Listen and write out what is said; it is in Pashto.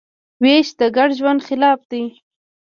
وېش د ګډ ژوند خلاف دی.